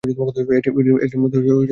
এটি মূলত তিনটি ডিভিশনে বিভক্ত।